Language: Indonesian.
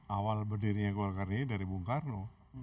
awal berdirinya golkar ini dari bung karno